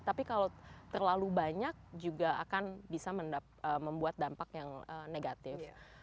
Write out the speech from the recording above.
tapi kalau terlalu banyak juga akan bisa membuat dampak yang negatif